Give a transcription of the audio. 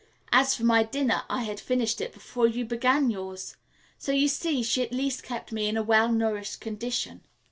As for my dinner, I had finished it before you began yours. So you see, she at least kept me in a well nourished condition."